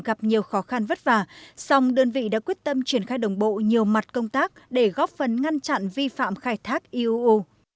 gặp nhiều khó khăn vất vả song đơn vị đã quyết tâm triển khai đồng bộ nhiều mặt công tác để góp phần ngăn chặn vi phạm khai thác iuu